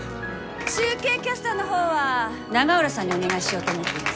中継キャスターの方は永浦さんにお願いしようと思っています。